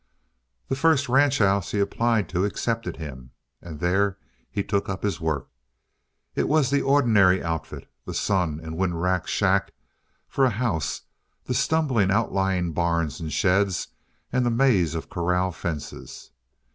The first ranch house he applied to accepted him. And there he took up his work. It was the ordinary outfit the sun and wind racked shack for a house, the stumbling outlying barns and sheds, and the maze of corral fences.